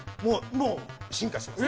もう、進化してます。